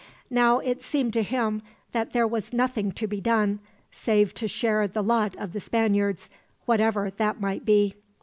Now it seemed to him that there was nothing to be done, save to share the lot of the Spaniards, whatever that might be.